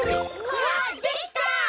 わあできた！